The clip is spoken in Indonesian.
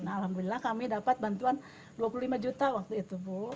alhamdulillah kami dapat bantuan dua puluh lima juta waktu itu bu